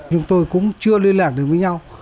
chúng tôi cũng chưa liên lạc được với nhau